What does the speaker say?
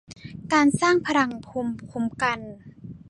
การสร้างพลังภูมิคุ้มกัน